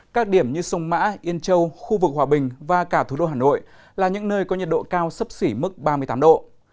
các điểm như sông mã yên châu khu vực hòa bình và cả thủ đô hà nội là những nơi có nhiệt độ cao sấp xỉ mức ba mươi tám độ